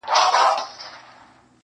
يو هلک بل ته وايي چي دا ډېره بده پېښه ده-